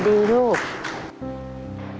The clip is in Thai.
สุดท้ายนะคุณหลักหน่อย